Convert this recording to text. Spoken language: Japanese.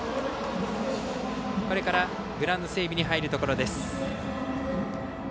これから、グラウンド整備に入るところです。